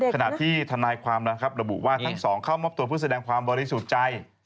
ขณะที่ทนายความนะครับระบุว่าทั้งสองเข้ามอบตัวเพื่อแสดงความบริสุทธิ์ใจ